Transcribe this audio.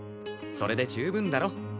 それで十分だろ？